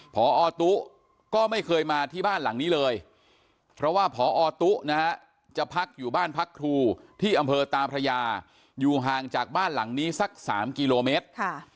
พอตุ๊ก็ไม่เคยมาที่บ้านหลังนี้เลยเพราะว่าพอตุ๊นะฮะจะพักอยู่บ้านพักครูที่อำเภอตาพระยาอยู่ห่างจากบ้านหลังนี้สัก๓กิโลเมตร